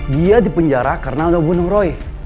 dia dipenjara karena udah bunuh roy